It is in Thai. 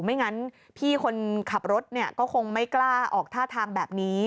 ไม่งั้นพี่คนขับรถเนี่ยก็คงไม่กล้าออกท่าทางแบบนี้